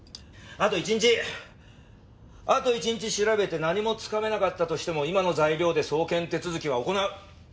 あと１日調べて何もつかめなかったとしても今の材料で送検手続きは行う。